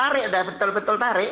tarik betul betul tarik